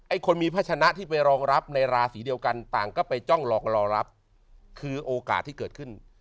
คนมีพัชนะที่ไปรองรับในราศีเดียวกันต่างก็ไปจ้องรองรอรับคือโอกาสที่เกิดขึ้น